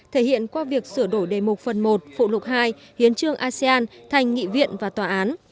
thể hiện qua việc sửa đổi đề mục phần một phụ lục hai hiến trương asean thành nghị viện và tòa án